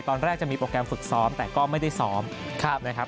ตอนแรกจะมีโปรแกรมฝึกซ้อมแต่ก็ไม่ได้ซ้อมนะครับ